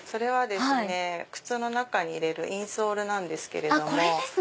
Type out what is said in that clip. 靴の中に入れるインソールなんですけれども。